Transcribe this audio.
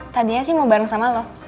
tadinya sih mau bareng sama lo